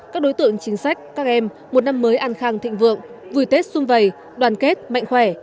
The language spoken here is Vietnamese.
các đối tượng chính sách các em một năm mới an khang thịnh vượng vui tết xung vầy đoàn kết mạnh khỏe